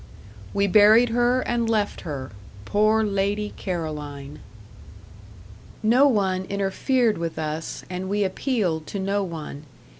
We buried her and left her poor Lady Caroline! No one interfered with us, and we appealed to no one.